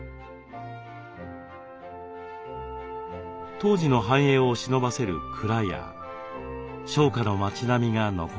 当時の繁栄をしのばせる蔵や商家の町並みが残ります。